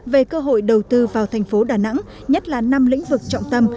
về cơ hội đầu tư vào thành phố đà nẵng nhất là năm lĩnh vực trọng tâm